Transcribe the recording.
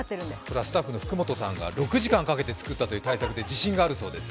スタッフのフクモトさんが６時間かかって作ったそうで自信があるそうです。